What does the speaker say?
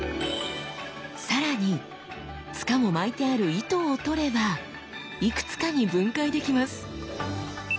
更に柄も巻いてある糸を取ればいくつかに分解できます。